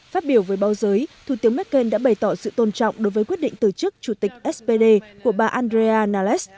phát biểu với báo giới thủ tướng merkel đã bày tỏ sự tôn trọng đối với quyết định từ chức chủ tịch spd của bà andrea nales